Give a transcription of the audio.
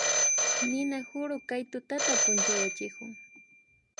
Ninakuru kay tutata punchayachikun